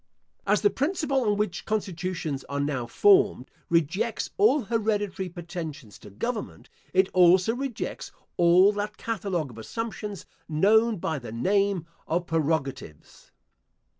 As the principle on which constitutions are now formed rejects all hereditary pretensions to government, it also rejects all that catalogue of assumptions known by the name of prerogatives.